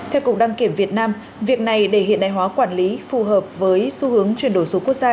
theo cục đăng kiểm việt nam việc này để hiện đại hóa quản lý phù hợp với xu hướng chuyển đổi số quốc gia